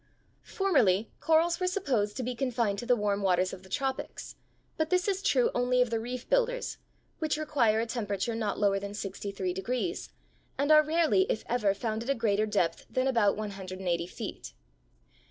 Formerly corals were supposed to be confined to the warm waters of the tropics, but this is true only of the reef builders, which require a temperature not lower than 63°, and are rarely, if ever, found at a greater depth than about 180 feet.